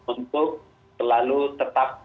untuk selalu tetap